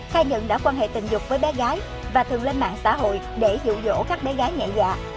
khai nhận đã quan hệ tình dục với bé gái và thường lên mạng xã hội để dụ dỗ các bé gái nhẹ dạ